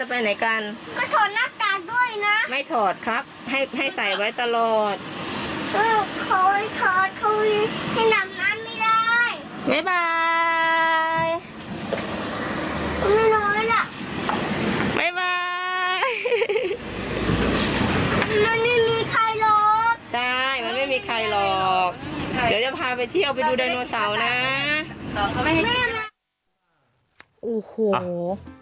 มันไม่มีใครหรอกใช่มันไม่มีใครหรอกเดี๋ยวจะพาไปเที่ยวไปดูไดโนเซานะ